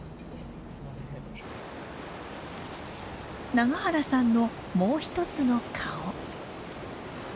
永原さんのもう一つの顔。